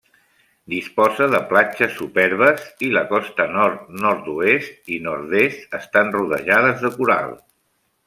Disposa de platges superbes i la costa nord, nord-oest i nord-est estan rodejades de coral.